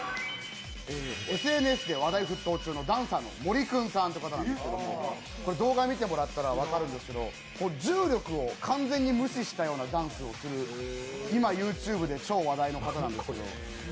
ＳＮＳで話題沸騰中のダンサーの森君さんという方なんですけど動画見てもらったら分かるんですけど重力を完全に無視したダンスをする今ＹｏｕＴｕｂｅで超話題の方なんですけど。